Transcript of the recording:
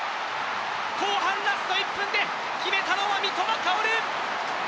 後半ラスト１分で決めたのは三笘薫。